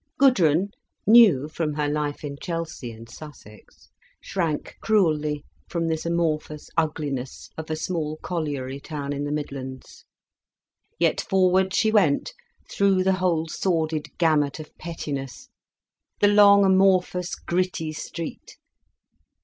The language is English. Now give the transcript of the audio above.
Gudrun, new from her life in Chelsea and Sussex, shrank cruelly from this amorphous ugliness of a small colliery town in the Midlands. Yet forward she went, through the whole sordid gamut of pettiness, the long amorphous, gritty street.